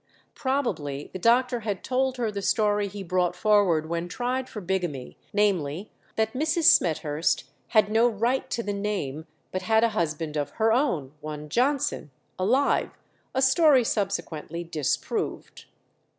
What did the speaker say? Probably the doctor had told her the story he brought forward when tried for bigamy, namely, that Mrs. Smethurst had no right to the name, but had a husband of her own, one Johnson, alive a story subsequently disproved.